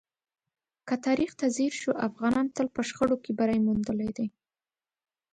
که تاریخ ته ځیر شو، افغانانو تل په شخړو کې بری موندلی دی.